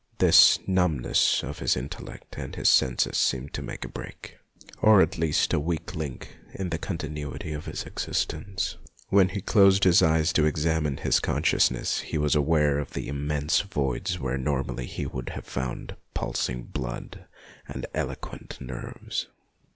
This numbness of his intellect and his senses seemed to make a break, or at least a weak link, in the continuity of his existence. When he closed his eyes to examine his con sciousness he was aware of immense voids where normally he would have found pulsing blood and eloquent nerves.